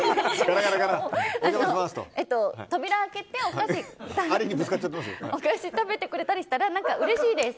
扉開けてお菓子食べてくれたりしたらうれしいです。